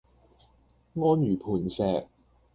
安如磐石